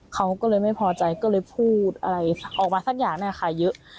เขาก็เลยไม่พอใจก็เลยพูดอะไรออกมาสักอย่างเนี่ยค่ะเยอะ